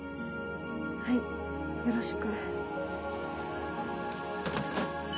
はいよろしく。